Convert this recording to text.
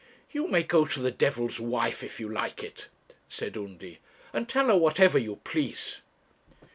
'You may go to the devil's wife if you like it,' said Undy, 'and tell her whatever you please.'